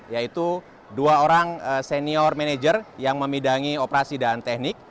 yaitu dua orang senior manager yang memidangi operasi dan teknik